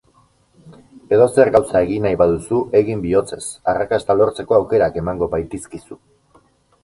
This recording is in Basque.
Edozer gauza egin nahi baduzu, egin bihotzez arrakasta lortzeko aukerak emango baitizkizu.